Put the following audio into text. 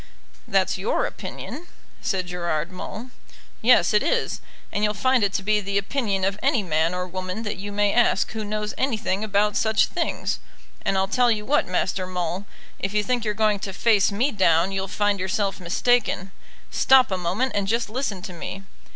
"That's your opinion," said Gerard Maule. "Yes, it is; and you'll find it to be the opinion of any man or woman that you may ask who knows anything about such things. And I'll tell you what, Master Maule, if you think you're going to face me down you'll find yourself mistaken. Stop a moment, and just listen to me.